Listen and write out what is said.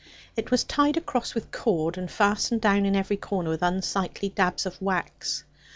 It was tied across with cord, and fastened down in every corner with unsightly dabs of wax.